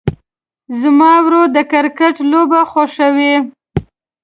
زما ورور د کرکټ لوبه خوښوي.